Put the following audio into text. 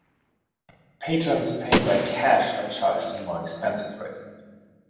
Patrons paying by cash are charged a more expensive rate.